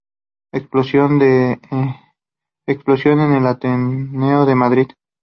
Exposición en el Ateneo de Madrid.